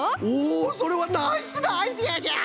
おそれはナイスなアイデアじゃ！